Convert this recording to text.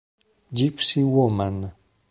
Gypsy Woman